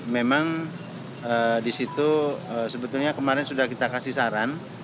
memang di situ sebetulnya kemarin sudah kita kasih saran